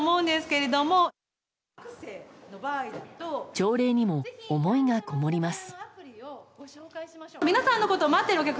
朝礼にも思いがこもります。